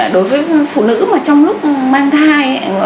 đối với phụ nữ mà trong lúc mang thai